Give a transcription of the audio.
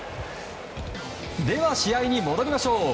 では、試合に戻りましょう。